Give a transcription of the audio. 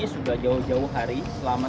sudah jauh jauh hari selama